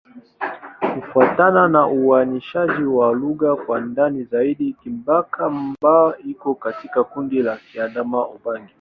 Kufuatana na uainishaji wa lugha kwa ndani zaidi, Kingbaka-Ma'bo iko katika kundi la Kiadamawa-Ubangi.